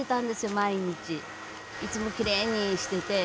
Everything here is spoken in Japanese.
いつもきれいにしていて。